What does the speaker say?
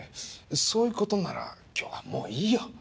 そういう事なら今日はもういいよ。